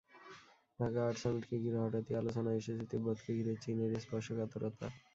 Dhaka art সামিটকে ঘিরে হঠাৎই আলোচনায় এসেছে তিব্বতকে ঘিরে চীনের স্পর্শকাতরতা।